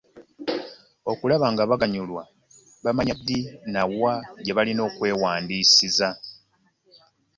Okulaba ng’abaganyulwa bamanya ddi na wa gye balina okwewandiisiza.